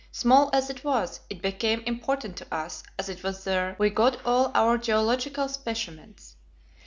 Small as it was, it became important to us, as it was there we got all our geological specimens.